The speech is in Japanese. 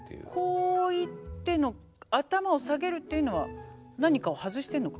こういっての頭を下げるっていうのは何かを外してるのか？